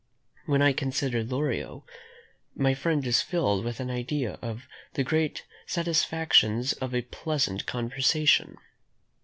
When I consider Lorio, my mind is filled with an idea of the great satisfactions of a pleasant conversation.